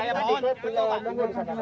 pak saya mau